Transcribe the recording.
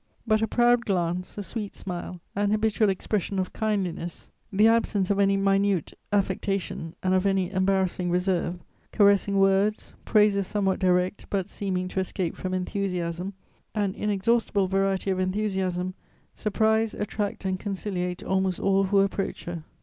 But a proud glance, a sweet smile, an habitual expression of kindliness, the absence of any minute affectation and of any embarrassing reserve, caressing words, praises somewhat direct but seeming to escape from enthusiasm, an inexhaustible variety of enthusiasm surprise, attract and conciliate almost all who approach her.